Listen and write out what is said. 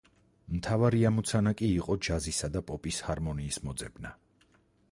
მთავარი ამოცანა კი იყო ჯაზისა და პოპის ჰარმონიის მოძებნა.